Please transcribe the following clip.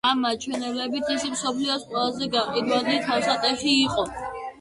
ამ მაჩვენებლით ის მსოფლიოს ყველაზე გაყიდვადი თავსატეხი იყო.